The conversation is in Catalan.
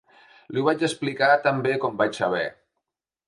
Li ho vaig explicar tan bé com vaig saber